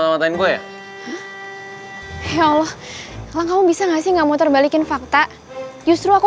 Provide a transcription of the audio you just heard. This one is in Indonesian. matahin gue ya ya allah kamu bisa nggak sih nggak mau terbalikin fakta justru aku